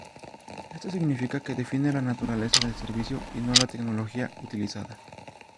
Esto significa que define la naturaleza del servicio y no la tecnología utilizada.